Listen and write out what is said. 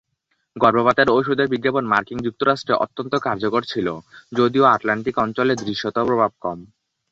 গর্ভপাতের ঔষধের বিজ্ঞাপন মার্কিন যুক্তরাষ্ট্রে অত্যন্ত কার্যকর ছিল, যদিও আটলান্টিক অঞ্চলে দৃশ্যত প্রভাব কম।